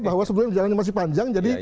bahwa sebenarnya jalannya masih panjang